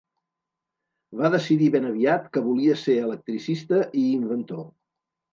Va decidir ben aviat que volia ser electricista i inventor.